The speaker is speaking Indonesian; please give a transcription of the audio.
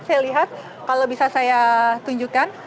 saya lihat kalau bisa saya tunjukkan